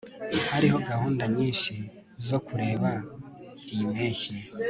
hariho gahunda nyinshi zo kureba iyi mpeshyi